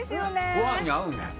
ご飯に合うね。